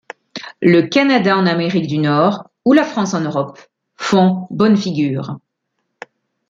Le Canada en Amérique du Nord, ou la France en Europe, font bonne figure.